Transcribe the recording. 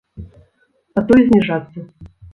А то і зніжацца.